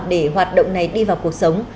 để hoạt động này đi vào cuộc sống